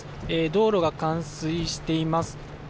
道路が冠水しています。